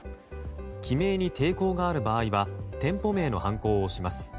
記名に抵抗がある場合は店舗名のはんこを押します。